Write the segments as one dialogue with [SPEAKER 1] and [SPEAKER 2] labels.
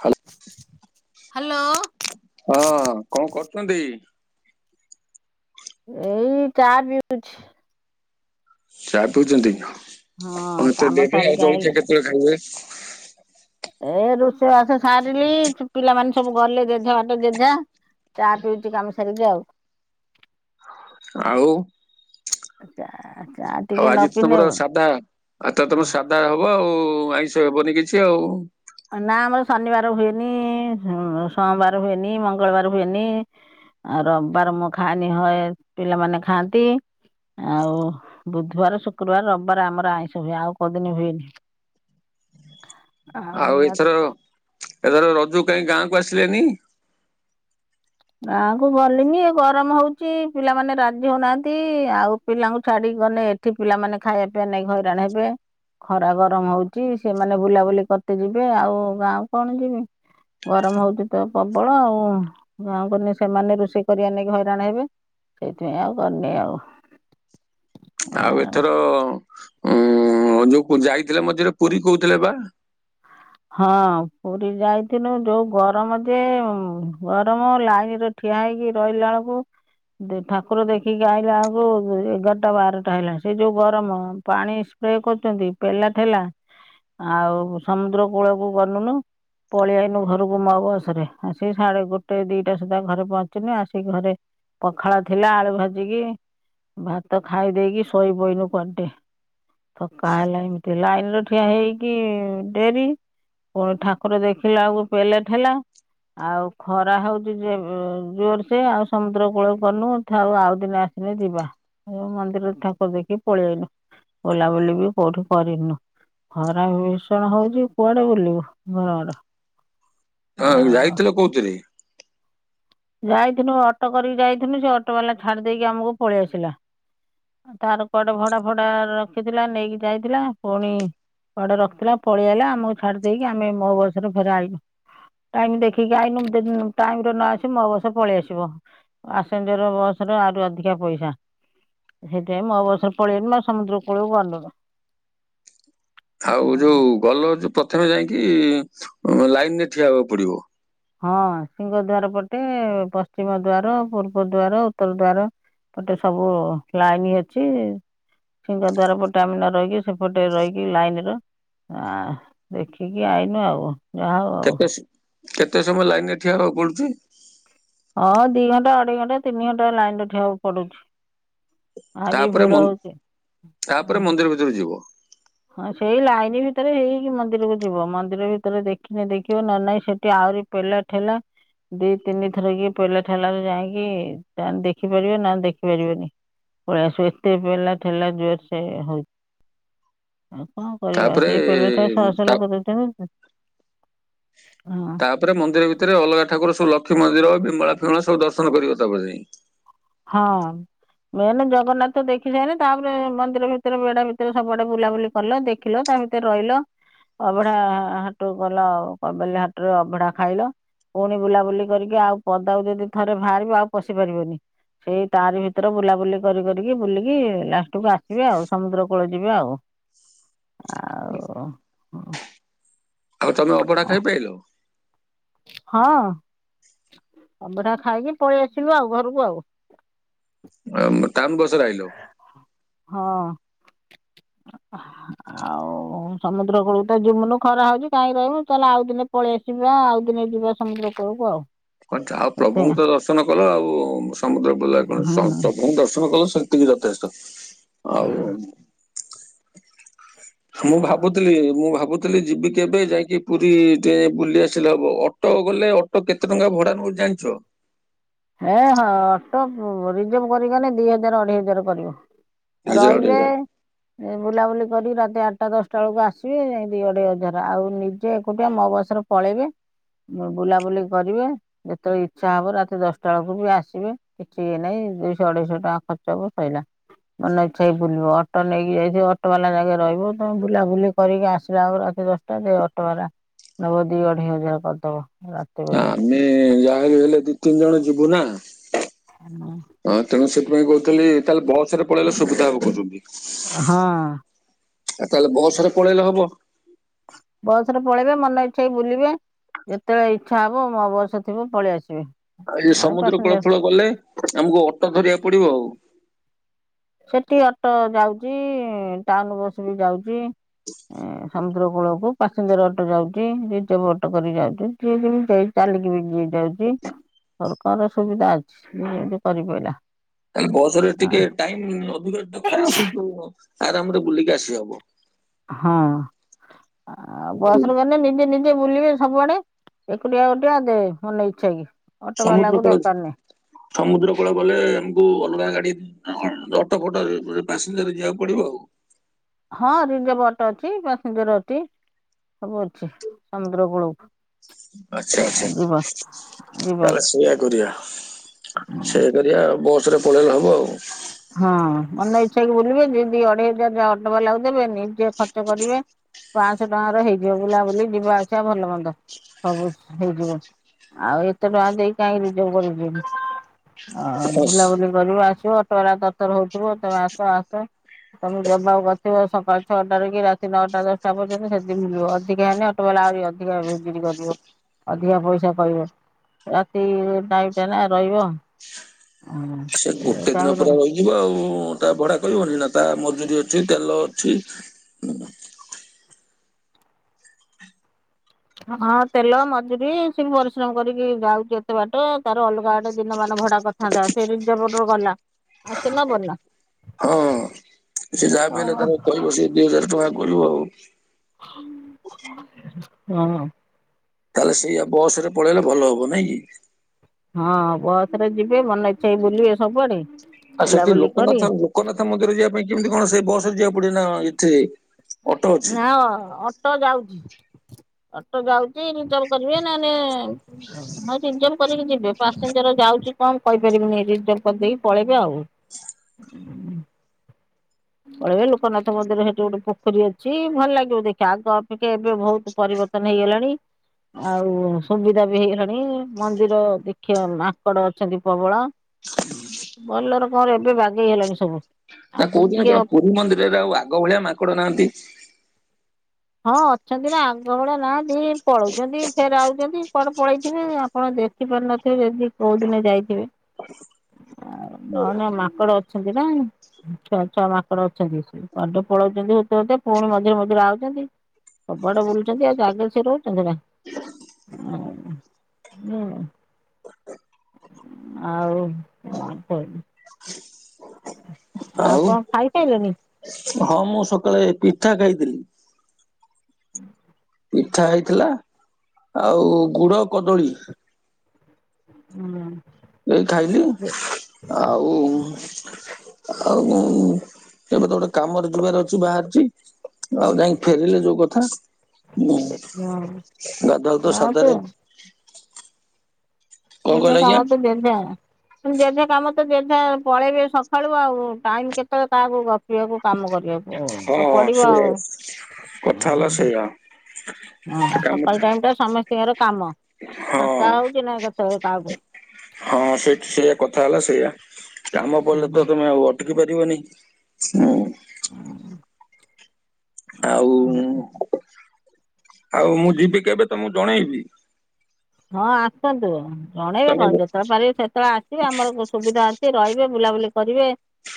[SPEAKER 1] Hello
[SPEAKER 2] hello.
[SPEAKER 1] ହଁ କଣ କରୁଚନ୍ତି?
[SPEAKER 2] ଏଇ ଚା ପିଉଛି।
[SPEAKER 1] ଚା ପିଉଚନ୍ତି।
[SPEAKER 2] ହଁ
[SPEAKER 1] [unintelligible]
[SPEAKER 2] କାମ
[SPEAKER 1] ଡେଟେ
[SPEAKER 2] ସାରିକି ଆଇଲେ।
[SPEAKER 1] ଜଳଖିଆ କେତେବେଳେ ଖାଇବେ?
[SPEAKER 2] ଏ ରୋଷେଇ ବାସ ସାରିଲି ସ-ପିଲାମାନେ ସବୁ ଗଲେ ଜେଝେ ବାଟ ଜେଝା ଚା ପିଉଚି କାମ ସାରକି ଆଉ।
[SPEAKER 1] ଆଉ।
[SPEAKER 2] ଏ
[SPEAKER 1] ଆଉ ଆଜି ତ ତୋମର ସାଧା, ଆଜି ତ ତୋମର ସାଧା ହବ ଆଉ। ଆଇଁଷ ହେବନି କିଛି ଆଉ।
[SPEAKER 2] ଅ ନା ଆମର ଶନିବାର ହୁଏନି, ସୋ- ସୋଅଁବାର ହୁଏନି, ମଙ୍ଗଳବାର ହୁଏନି, ଆଉ ରବବାର ମୁଁ ଖାଏନି ହଏ, ପିଲାମାନେ ଖାଆନ୍ତି ଆଉ ବୁଧବାର ଶୁକ୍ରବାର ରବବାର ଆମର ଆଇଁଷ ହୁଏ ଆଉ କୋଉଦିନ ହୁଏନି। ଆ
[SPEAKER 1] ଆଉ ଏଇଥର ଏଥର ରଜ କାଇଁକି ଗାଁକୁ ଆସିଲେନି
[SPEAKER 2] ଗାଁକୁ ଗଲିନି ଏ ଗରମ ହଉଛି ପିଲାମାନେ ରାଜି ହଉନାହାନ୍ତି। ଆଉ ପିଲାଙ୍କୁ ଛାଡି ଗଲେ ଏଠି ପିଲାମାନେ ଖାଇବା ପିଇବା ନେଇ ହଇରାଣ ହେବେ ଖରା ଗରମ ହଉଛି ସେମାନେ ବୁଲାବୁଲି କରତେ ଯିବେ ଆଉ ଗାଁ କଣ ଯିବି ଗରମ ହଉଛି ତ ପ୍ରବଳ ଆଉ ଗାଁ କରନି ସେମାନେ ରୋଷେଇ କରିବା ନେଇକି ହଇରାଣ ହେବେ ସେଇଥିପାଇଁ ଆଉ କରିନି ଆଉ
[SPEAKER 1] ଆଉ ଏଥର ଉଁ ଯୋଉ କୁ ଯାଇଥିଲେ ମଝିରେ ପୁରୀ କହୁଥିଲେ ବା
[SPEAKER 2] ହଁ ପୁରୀ ଯାଇଥିଲୁ ଯୋଉ ଗରମ ଯେ ଗରମ ଲାଇନରେ ଠିଆ ହେଇକି ରହିଲା ବେଳକୁ ଦେ ଠାକୁର ଦେଖିକି ଆଇଲା ବେଳକୁ ଏଗାରଟା ବାରଟା ହେଲା ସେ ଯୋଉ ଗରମ ପାଣି ସ୍ପ୍ରେ କରୁଛନ୍ତି ପେଲା ଠେଲା ଆଉ ସମୁଦ୍ର କୂଳକୁ ଗଲୁନୁ ପଳେଇଆଇନୁ ଘରକୁ ମୋ ବସରେ ଆସିିକି ସାଢ଼େ ଗୋଟେ ଦିଟା ସୁଦ୍ଧା ଘରେ ପହଞ୍ଚିନି ଆସିକି ଘରେ ପଖାଳ ଥିଲା ଆଳୁ ଭାଜିକି ଭାତ ଖାଇ ଦେଇକି ଶୋଇ ବୋଇନୁ କରିଡ଼େ ଥକା ହେଲା ଏମିତି ଲାଇନ୍ର ଠିଆ ହେଇକି ଡେରି ପୁଣି ଠାକୁର ଦେଖିଲା ବେଳକୁ ପେଲା ଠେଲା ଆଉ ଖରା ହଉଛି ଜେ ଜୋର ସେ ଆଉ ସମୁଦ୍ର କୂଳ କରିନୁ ଥାଉ ଆଉ ଦିନ ଆସିନେ ଯିବା ମନ୍ଦିରରେ ଠାକୁର ଦେଖିକି ପଳେଇାଇନୁ ବୁଲାବୁଲି ବି କୋଉଠି କରିନୁ ଖରା ବି ଭୀଷଣ ହଉଛି କୁଆଡେ ବୁଲିବୁ ଘରଡ
[SPEAKER 1] ହଁ ଯାଇଥିଲ କହୁଥିରେ?
[SPEAKER 2] ଯାଇଥିଲୁ ଅଟୋ କରିକି ଯାଇଥିଲୁ ସେ ଅଟୋ ବାଲା ଛାଡି ଦେଇକି ଆମକୁ ପଳେଇ ଆସିଲା ତାର କଆଡେ ଭଡା ଫଡା ରଖିଥିଲା ନେଇକି ଯାଇଥିଲା ପୁଣି କୁଆଡେ ରଖିଥିଲା ପଳେଇ ଆଇଲା ଆମକୁ ଛାଡ଼ି ଦେଇକି ଆମେ ମୋ ବସରେ ଫେର ଆଇନୁ ଟାଇମ ଦେଖିକି ଆଇନୁ ଟାଇମରେ ନ ଆସିବୁ ମୋ ବସ ପଳେଇ ଆସିବ ପାସେଞ୍ଜର ବସ୍ ରେ ଆହୁରି ଅଧିକ ପଇଷା। ହେଇଥି ପାଇଁ ମୋ ବସ୍ ରେ ପଳେଇ ଆଇନୁ ସମୁଦ୍ର କୁଳକୁ ଗଲୁନୁ।
[SPEAKER 1] ଆଉ ଯୋଉ ଗଲ ଯୋଉ ପ୍ରଥମେ ଯାଇକି ଲାଇନରେ ଠିଆ ହେବାକୁ ପଡିବ।
[SPEAKER 2] ହଁ ସିଂହ ଦ୍ୱାର ପଟେ ପଶ୍ଚିମ ଦ୍ୱାର ପୂର୍ବ ଦ୍ୱାର ଉତ୍ତର ଦ୍ୱାର ପଟେ ସବୁ ଲାଇନ ଅଛି ସିଂହ ଦ୍ୱାର ପଟେ ଆମେ ନରହିକି ସେପଟେ ରହିକି ଲାଇନର ଦେଖିକି ଆଇନୁ ଆଉ। ଯା ହୋଉ
[SPEAKER 1] କେତେ ସ- କେତେ ସମୟ ଲାଇନରେ ଠିଆ ହେବାକୁ ପଡୁଚି?
[SPEAKER 2] ହଁ ଦିଇ ଘଣ୍ଟା ଅଢେଇ ଘଣ୍ଟା ତିନି ଘଣ୍ଟା ଲାଇନରେ ଠିଆ ହବାକୁ ପଡୁଚି।
[SPEAKER 1] ତାପରେ ମ ତାପରେ
[SPEAKER 2] ହୁଁ।
[SPEAKER 1] ମନ୍ଦିର ଭିତରୁ ଯିବ।
[SPEAKER 2] ହଁ ସେଇ ଲାଇନ ଭିତରେ ହେଇକି ମନ୍ଦିରକୁ ଯିବ ମନ୍ଦିର ଭିତରେ ଦେଖିନି ଦେଖିବ ନହେଲେ ନାଇଁ ସେଠି ଆହୁରି ପେଲା ଠେଲା ଦିଇ ତିନି ଥରକି ପେଲା ଠେଲାରେ ଯାଇକି ଦେଖିପାରିବ ନହେଲେ ଦେଖି ପାରିବନି ପଳେଇ ଆସିବ ଏତେ ପେଲା ଠେଲା ଜୋରସେ ହୋଉ ଆଉ କଣ କରିବା
[SPEAKER 1] ତାପରେ
[SPEAKER 2] ସେଇ ପେଲା ଠେଲାରେ ଶହ ଶହ
[SPEAKER 1] ତା
[SPEAKER 2] ଲୋକ ଯାଉଚନ୍ତି।
[SPEAKER 1] ତାପରେ ମନ୍ଦିର ଭିତରେ ଅଲଗା ଠାକୁର ସବୁ ଲ ଲକ୍ଷେ ମନ୍ଦିର ବିମଳା ଫିମଳା ସବୁ ଦର୍ଶନ କରିବ ତାପରେ ଯାଇଁକି।
[SPEAKER 2] ହଁ ମେନ ଜଗନ୍ନାଥ ଦେଖି ସାଇନେ ତାପରେ ମନ୍ଦିର ଭିତରେ ବେଡା ଭିତରେ ସବୁଆଡେ ବୁଲାବୁଲି କଲ ଦେଖିଲ। ତା ଭିତରେ ରହିଲ ଅଭଢା ହାଟ ଗଲ କବାଲି ହାଟରେ ଅବଢା ଖାଇଲ ପୁଣି ବୁଲାବୁଲି କରିକି ଆଉ ପଦାକୁ ଯଦି ଥରେ ବାହାରିବ ଆଉ ପଶି ପାରିବନି। ସେଇ ତାରି ଭିତରେ ବୁଲାବୁଲି କରି କରିକି ବୁଲିକି ଲାଷ୍ଟକୁୁ ଆସିବେ ଆଉ ସମୁଦ୍ର କୂଳ ଯିବେ ଆଉ ଆଉ ହଁ।
[SPEAKER 1] ଆଉ ତମେ ଅବଢା ଖାଇ ପାଇଲ?
[SPEAKER 2] ହଁ। ଅବଢା ଖାଇକି ପଳେଇ ଆସିଲୁ ଆଉ ଘରକୁ ଆଉ।
[SPEAKER 1] [inaudible] ଆଇଲ
[SPEAKER 2] ହଁ ହା ଆଉ ସମୁଦ୍ର କୂଳକୁତ ଯିମୁନୁ ଖରା ହୋଉଚି କାହିଁକି ରହିବୁ ଚାଲେ ଆଉ ଦିନେ ପଳେଇ ଆସିବା ଆଉ ଦିନେ ଯିବା ସମୁଦ୍ର କୂଳକୁ ଆଉ।
[SPEAKER 1] କଣ ଚାହା
[SPEAKER 2] ଏତେ
[SPEAKER 1] ପ୍ରଭୁଙ୍କୁତ ଦର୍ଶନ କଲ ଆଉ ସମୁଦ୍ର ବୁଲାରେ କଣ ଅଛି ସ
[SPEAKER 2] ହୁଁ।
[SPEAKER 1] ପ୍ରଭୁଙ୍କୁ ଦର୍ଶନ କଲ। ସେତିକି ଯଥେଷ୍ଟ। ଆଉ ମୁଁ ଭାବୁଥିଲି ମୁଁ ଭାବୁ ଥିଲ ଯିବି କେବେ ଯାଇକି ପୁରିଟେ ବୁଲି ଆସିଲେ ହବ ଅଟୋ ଗଲେ ଅଟୋ କେତେ ଟଙ୍କା ଭଡା ନୋଉଚି ଜାଣିଚ?
[SPEAKER 2] ଏ ହଁ ଅଟୋ ରିଜର୍ଭ କରିକକି ଗଲେ ଦିଇ ହଜାର ଅଢେଇ ହଜାର କରିବ।
[SPEAKER 1] ହଜାର
[SPEAKER 2] ରହିବେ
[SPEAKER 1] ଅଢ଼େଇଶହ।
[SPEAKER 2] ବୁଲାବୁଲି ଧରିକି ରାତି ଆଠଟା ଦଶଟା ବେଳକୁ ଆସିବେ ଏ ଦି ଅଢେଇ ହଜାରେ ଆଉ ନିଜେ ଏକୁଟିଆ ମୋ ବସରେ ପଳେଇବେ ବୁଲାବୁଲି କରିବେ ଯେତେବେଳେ ଇଚ୍ଛା ହବ ରାତି ଦଶଟା ତଳକୁ ବି ଆସିବେ କିଛି ଇଏ ନାହିଁ ଦୁଇଶ ଅଢ଼େଇଶହ ଟଙ୍କା ଖର୍ଚ୍ଚ ହେବ ସ‌ଇଲା ମନ ଇଚ୍ଛାକି ବୁଲିବ ଅଟୋ ନେଇକି ଯାଇଥିବ ଅଟୋବାଲା ଯାଗେ ରହିବ ତମେ ବୁଲାବୁଲି କରିକି ଆସିଲା ବେଳକୁ ରାତି ଦଶଟା ଦେ ଅଟୋବାଲା ନେବ ଦୁଇ ଅଢ଼େଇ ହଜାର କରିଦେବ।
[SPEAKER 1] ଆମେ ଯା ଯାହିଲେ ଦି ତିନି ଜଣ ଯିବୁନା। [inaudible] ହଁ ତେଣୁ ସେ ସେଥିପାଇଁ କୋହୁଥିଲି ତାହେଲେ ବସ୍ ରେ ପଳେଇଲେ ସୁବିଧା ହେବ କୋହୁଚନ୍ତି।
[SPEAKER 2] ହଁ।
[SPEAKER 1] ଆଉ ତାହେଲେ ବସ୍ ରେ ପଳେଇଲେ ହବ।
[SPEAKER 2] ବସ ରେ ପଳେଇବେ ମନ ଇଚ୍ଛାକି ବୁଲିବେ ଯେତେବେଳେ ଇଚ୍ଛା ହବ ମୋ ବସ ଥିବ ପଳେଇ ଆସିବେ।
[SPEAKER 1] ଆଉ ଏ
[SPEAKER 2] ନହେଲେ
[SPEAKER 1] ସମୁଦ୍ର
[SPEAKER 2] ପାସେଞ୍ଜର
[SPEAKER 1] କୂଳଫୁଳ ଗଲେ ଆମକୁ ଅ ହାତ ଧରିବାକୁ ପଡିବ ଆଉ।
[SPEAKER 2] ସେଟି ଅଟୋ ଯାଉଚି ଟାଉନ ବସ୍ ବି ଯାଉଚି। ଏ ସମୁଦ୍ରକୂଳକୁ ପାସେନଜର ଅଟୋ ଯାଉଚି ।ରିଜର୍ପ ଅଟୋ କରି ଯାଉଚି। ଯିଏ ଯେମିତି ଦେଇ-ଚାଲିକି ବି ଯିଏ ଯାଉଚି। ସରକାର ସୁବିଧା ଅଛି। ଯିଏ ଯେନ୍ତି କରିପାଇଲା।
[SPEAKER 1] ତାଲେ ବସ୍ ରେ ଟିକେ ଟାଇମ୍ ଅଧିକ ଦରକାର ହଉଚିହ ଆରାମରେ ବୁଲିକି ଆସିହବ। [inaudible]
[SPEAKER 2] ହଁ। ଆଉ ବସ୍ ରେ ଗନେ ନିଜେ ନି ବୁଲିବେ ସବୁଆଡେ ।ଏକୁଟିଆ ଏକୁଟିଆ ଦେ ମନ ଇଚ୍ଛା କି। ଅଟୋ ବାଲାକୁ
[SPEAKER 1] ସମୁଦ୍ରକୂଳ ଯ
[SPEAKER 2] ଦରକାର ନାହିଁ
[SPEAKER 1] -ସମୁଦ୍ର କୂଳ ଗଲେ ଉ ଅଲଗା ଗାଡି ଦି -ଅଟୋ ଫଟୋ ରେ ପାସେଞ୍ଜର ଯିବାକୁ ପଡିବ ଆଉ।
[SPEAKER 2] ହଁ ରିଯର୍ପ ଅଟ ଅଛି। ପାସେଞ୍ଜର ଅଟି ସବୁ ଅଛି। ସମୁଦ୍ର କୂଳକୁ।
[SPEAKER 1] ଆଚ୍ଛା
[SPEAKER 2] ଆଉ
[SPEAKER 1] ଆଚ୍ଛା
[SPEAKER 2] ଯିବା
[SPEAKER 1] [inaudible]
[SPEAKER 2] ଯିବା
[SPEAKER 1] ତାହେଲେ ସେଇଆକରିଆ। ସେଇଆ କରିଆ ଆଉ ବୋ ପଛରେ ପଳେଇଲେ ହେବ ଆଉ।
[SPEAKER 2] ହଁ ମନ ଇ ସେକି ବୁଲିବେ ଯେଦି ଅଢେଇ ହଜାର ଯା ଅଟୋ ବାଲାକୁ ଦେବେ। ନିଜେ ଖର୍ଚ୍ଚ କରିବେ ପାଆଁଶ ଟଙ୍କାର ହେଇଯିବ ବୁଲାବୁଲି ଯିବା ଆସିବା ଭଲ ମନ୍ଦ ସବୁସ୍ ହେଇଯିବ। ଆଉ ଏତେ ଟଙ୍କା ଦେଇ କାଇଁ ରିଜର୍ପ କରି ଯି-ଆଉ
[SPEAKER 1] ହଁ,
[SPEAKER 2] ବୁଲାବୁଲି କରିବ ଆସିବ ଅ ଅଟୋବାଲା ତରତର ହଉଥିବ ତମେ ଆସ ଆସ। ତମକୁ ଯବାବ କରିଥିବ ସକାଳ ଛଅଟାରେ କି ରାତି ନଅଟା ଦଶଟା ପର୍ଯ୍ୟନ୍ତ ସେତିକି ଯିବ ଅଧିକା ହେନେ ଅଟୋବେଲା ଆହୁରି ଅଧିକା ଭିଜିଟ କରିବ। ଅଧିକା ପଇସା କହିବ ରାତି ଟାଇମଟା ନା ରହିବ ହୁଁ
[SPEAKER 1] କେତେ ଦିନ ପରା ରହିଯିବ ଆଉ ତା ଭଡା କହିବନି ନା ତା ମଜୁରି ଅ ଅଛି ତେଲ ଅଛି।
[SPEAKER 2] ହଁ ତେଲ ମଜୁରୀ ସିଏ ବି ପରିଶ୍ରମ କରିକି ଯାଉଛି ଏତେ ବାଟ ତାର ଅଲଗା ଅଡେ ଦିନ ମାନ ଭଡା କରିଥାଆନ୍ତା। ସେ ରିଜର୍ପ ପଟେ ଗଲା ଆଉ ସେ ନବନି ନାଁ।
[SPEAKER 1] ହଁ ସେ ଯାହା ବି ହେଲେ ତାର କହିବ। ସେ ଦିଇ ହଜାର ଟଙ୍କା କହିବ ଆଉ।
[SPEAKER 2] [inaudible] ହଁ।
[SPEAKER 1] ତାଲେ ସେଇଆ ବସ୍ ରେ ପଳେଇଲେ ଭଲ ହବ ନାଇଁ କି?
[SPEAKER 2] ହଁ ବସ୍ ରେ ଯିବେ ମନ ଇଚ୍ଛା କି ବୁଲିବେ ସବୁଆଡେ।
[SPEAKER 1] ଆଉ ସେଠି
[SPEAKER 2] ବୁଲାବୁଲି କରି
[SPEAKER 1] ଲୋକନାଥ ଲୋକନାଥ ମନ୍ଦିର ଯିବା ପାଇଁ କି କେମିତି କଣ ସେ ବସ୍ ରେ ଯିବାକୁ ପ ପଡ଼ିନ ଏଠେ।
[SPEAKER 2] ନାଁ ଅ -ଅଟୋ ଯାଉଛି। ଅଟୋ ଯାଉଚି ରିଜର୍ପ କରିବେ ନନେ ହଉ ରିଜର୍ପ କରିକି ଯିବେ ପାସେଞ୍ଜର ଯାଉଚି କଣ ମୁଁ କହିପାରିବନି ରିଜର୍ପ କରିଦେଇକି ପଳେଇବେ ଆଉ ଉଁ। ପଳେଇବେ ଲୋକନାଥ ମନ୍ଦିର ସେଠି ଗୋଟେ ପୋଖରୀ ଅଛି। ଭଲ ଲାଗିବ ଦେଖି। ଆଗ ଅପେକ୍ଷା ଏବେ ବହୁତ୍ ପରିବର୍ତ୍ତନ ହେଇଗଲାଣି ।ଆଉ ସୁବିଧା ବି ହେଇଗଲାଣି ମନ୍ଦିର ଦେଖିବ ମାଙ୍କଡ଼ ଅଛନ୍ତି ପ୍ରବଳ ଭଲରେ କର ଏବେ ବାଗେଇ ହେଲାଣି ସବୁ। ଆବୁଲ୍।
[SPEAKER 1] ଜଣେ ପୁରୀ ମନ୍ଦିରରେ ଆଉ ଆଗ ଭଳିଆ ମାଙ୍କଡ ନାହାନ୍ତି।
[SPEAKER 2] ହଁ ଅଛନ୍ତି ନା ଆଗ ଭଳିଆ ନା ଦି ପଳଉଛନ୍ତି ଫେର ଆଉଛନ୍ତି କଆଡେ ପଳେଇଥିବେ ଆପଣ ଦେଖିପାରୁ ନଥିବେ ଯଦି କୋଉ ଦିନେ ଯାଇଥିବେ ନ ନ ମାଙ୍କଡ ଅଛନ୍ତି ନା ଛଅ ଛଅ ମାଙ୍କଡ ଅଛନ୍ତି ସେ କଆଠେ ପଳଉଛନ୍ତି ହତେ ହତେ ପୁଣି ମଝିରେ ମଝିରେ ଆଉଛନ୍ତି। ସବୁଆଡେ ବୁଲୁଛନ୍ତି ଆଉ ଜାଗେ ସେ ରହୁଛନ୍ତି ନା ଆଉ କଣ କହିଲି?
[SPEAKER 1] ଆଉ
[SPEAKER 2] ଆପଣ ଖାଇ ସାରିଲେଣି।
[SPEAKER 1] ହଁ ମୁଁ ସକାଳେ ପିଠା ଖାଇଥିଲି।
[SPEAKER 2] ହୁଁ [inaudible]
[SPEAKER 1] ପିଠା ହେଇଥିଲା ଆଉ ଗୁଡ କଦଳୀ।
[SPEAKER 2] ହୁଁ।
[SPEAKER 1] ଏଇ ଖାଇଲି ଆଉ ଆଉ ଏବେ ତ ଗୋଟେ କାମରେ ଯିବାରେ ଅଛି। ବାହାରିଛି ଆଉ ଯାଇି ଫେରିଲେ ଯୋଉ କଥା। ହଁ ଗାଧଆ ତ
[SPEAKER 2] ହଁ ତୁ
[SPEAKER 1] ସାଧାରେ କଣ
[SPEAKER 2] ଜଜ
[SPEAKER 1] କହିଲେ ଆଜ୍ଞା?
[SPEAKER 2] ଖାବା ତ ଜଜା ଜଜ [unintelligible] କାମ ତ ଯେଝା ପଳେଇବେ ସକାଳୁ ଆଉ ଟାଇମ କେତେବେଳେ କାହାକୁ ଗପିବାକୁ। କାମ କରିବାକୁ
[SPEAKER 1] ହଁ
[SPEAKER 2] ତ ପଡିବ
[SPEAKER 1] ସେଇଆ
[SPEAKER 2] ଆଉ।
[SPEAKER 1] କଥା ହେଲା ସେଇଆ
[SPEAKER 2] ହଁ
[SPEAKER 1] କାମ
[SPEAKER 2] ସକାଳ ଟାଇମ ଟା ସମସ୍ତଙ୍କର କାମ
[SPEAKER 1] ହଁ
[SPEAKER 2] ଫାଙ୍କା ହଉଛି ନା କେତେ ତର ତାଗୁ [unintelligible]
[SPEAKER 1] ହଁ ସେକ ସେଇଆ କଥା ହେଲା ସେଇଆ। କାମ ପଡ଼ିଲେ ତମେ ଟେକି ପାରିବନି ହୁଁ।
[SPEAKER 2] ହୁଁ [inaudible]
[SPEAKER 1] ଆଉ ଆଉ ମୁଁ ଯିବି କେବେ ତମକୁ ଜଣେଇବି?
[SPEAKER 2] ହଁ ଆସନ୍ତୁ। ଜଣେଇବେ
[SPEAKER 1] ତମେ
[SPEAKER 2] କଣ ଯେତେବେଳେ ପାରିବ ସେତେବେଳେ ଆସିବେ ଆମର ସୁବିଧା ଅଛି ରହିବେ। ବୁଲାବୁଲି କରିବେ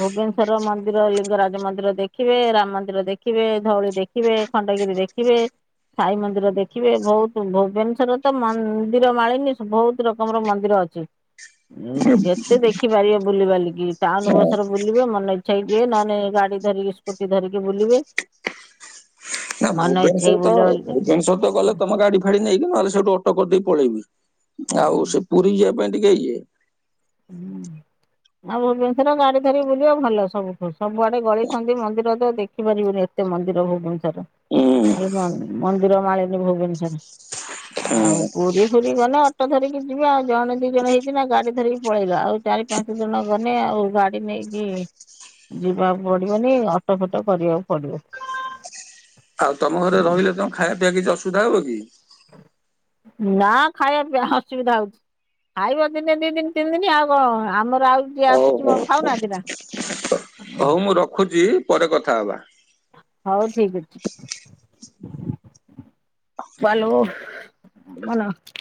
[SPEAKER 2] ଭୁବନେଶ୍ୱର ମନ୍ଦିର ଲିଙ୍ଗରାଜ ମନ୍ଦିର ଦେଖିବେ ।ରାମ ମନ୍ଦିର ଦେଖିବେ ଧଉଳି ଦେଖିବେ ଖଣ୍ଡଗିରି ଦେଖିବେ। ସାଇ ମନ୍ଦିର ଦେଖିବେ। ବହୁତ ଭୁବନେଶ୍ଵର ତ ମନ୍ଦିର ମାଳିନୀ ବହୁତ ରକମର ମନ୍ଦିର ଅଛି। ଯେତେ ଦେଖିପାରିବେ ବୁଲିବାଲିକି ଟାଉନ ବସରେ ବୁଲିବେ ମନ ଇଛା ହେଇ ଜିଏ ନେଲେ ଗାଡି ଧରିକି ସ୍କୁଟି ଧରିକି ବୁଲିବେ।
[SPEAKER 1] ନା
[SPEAKER 2] ମନ ଇଚ୍ଛା ହେଇକି
[SPEAKER 1] ଭୁବନେଶ୍ଵର ତ
[SPEAKER 2] ବୁଲାବୁଲି କରିବେ
[SPEAKER 1] ଭୁବନେଶ୍ୱର ତ ଗଲେ ତମ ଗାଡି ଫାଡି ନେଇକି ନହେଲେ ସେଇଠୁ କଟକ ଦେଇ ପଳେଇବି। ଆଉ ସେ ପୁରୀ ଯିବା ପାଇଁ ପାଇଁ ଟିକେ ଇଏ
[SPEAKER 2] ହୁଁ ଆଉ ଭୁବନେଶ୍ଵର ଗାଡି ଧରିକି ବୁଲିବା ଭଲ ସବୁ ସବୁଆଡେ ଗଳି ସଛନ୍ତି ମନ୍ଦିର ତ ଦେଖିପାରିବୁନି ଏତେ ମନ୍ଦିର ଭୁବନେଶ୍ୱର
[SPEAKER 1] ହୁଁ
[SPEAKER 2] ଖା ମନ୍ଦିର ମାଳିନି ଭୁବନେଶ୍ଵର ଆଉ
[SPEAKER 1] ହୁଁ
[SPEAKER 2] ପୁରୀ ଫୁରୀ ଗଲେ ଅଟ ଧରିକି ଯିବି ଆଉ। ଜଣେ ଦି ଜଣ ହେଇଛି ନା ଗାଡି ଧରିକି ପଳେଇଲା ଆଉ ଚାରି ପାଞ୍ଚ ଜଣ ଗଲେ ଆଉ ଗାଡି ନେଇକି ଯିବାକୁ ପଡିବନି ଅଟୋ ଫଟୋ କରିବାକୁ ପଡିବ।
[SPEAKER 1] ଆଉ ତମ ଘରେ ରହିଲେ ତମେ ଖାଇବା ପିଇବା କିଛି ଅସୁବିଧା ହବ କି?
[SPEAKER 2] ନା ଖାଇବା ଅସୁବିଧା ହଉଛି ଖାଇବ ଦିନେ ଦି ଦିନ ତିନି ଦିନ ଆଉ କ ଆମର ଆଉ ଯିଏ
[SPEAKER 1] ହଉ
[SPEAKER 2] ଆସୁଛି କଣ
[SPEAKER 1] ହଉ
[SPEAKER 2] ଖାଉନାହାନ୍ତି ନା।
[SPEAKER 1] ହଉ ମୁଁ ରଖୁଛି। ପରେ କଥା ହବା
[SPEAKER 2] ହଉ ଠିକ ଅଛି। ଭଲୋ ଭଲ